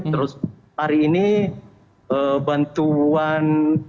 terus hari ini bantuan